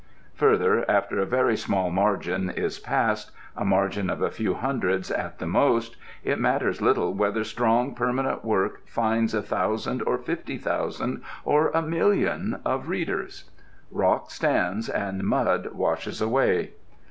Further, after a very small margin is passed, a margin of a few hundreds at the most, it matters little whether strong permanent work finds a thousand or fifty thousand or a million of readers. Rock stands and mud washes away.